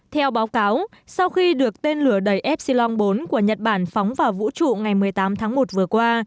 theo báo cáo sau khi được tên lửa đầy epsilom bốn của nhật bản phóng vào vũ trụ ngày một mươi tám tháng một vừa qua